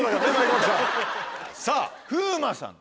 さぁ風磨さん。